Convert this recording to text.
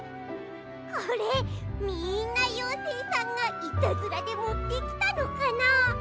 これみんなようせいさんがいたずらでもってきたのかな。